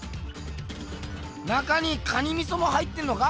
中に蟹みそも入ってんのか？